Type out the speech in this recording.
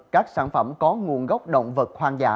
các sản phẩm có nguồn gốc động vật khoang giả